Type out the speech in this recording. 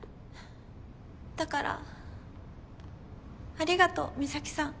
だからありがとう美咲さん。